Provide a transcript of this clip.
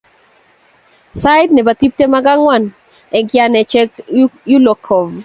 sait ne bo tiptem ak ang'wan eng kianchekab Elukove.